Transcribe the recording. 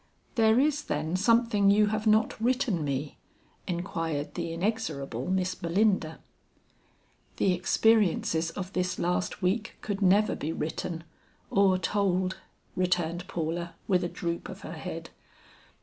"There is then something you have not written me?" inquired the inexorable Miss Belinda. "The experiences of this last week could never be written, or told," returned Paula with a droop of her head.